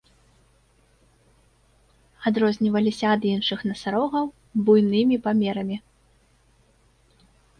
Адрозніваліся ад іншых насарогаў буйнымі памерамі.